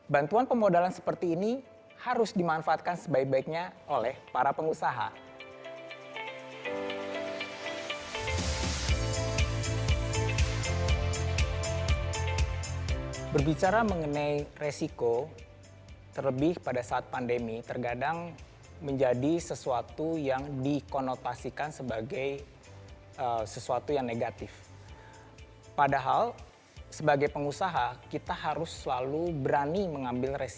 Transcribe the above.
bantuan pemodalan seperti ini harus dimanfaatkan sebaik baiknya oleh para pengusaha